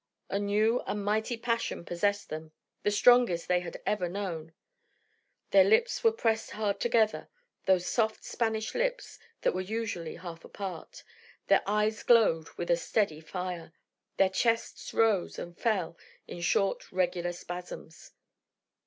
A new and mighty passion possessed them, the strongest they had ever known. Their lips were pressed hard together those soft Spanish lips that were usually half apart their eyes glowed with a steady fire. Their chests rose and fell in short regular spasms.